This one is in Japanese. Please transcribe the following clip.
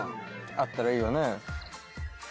あったらいいよね？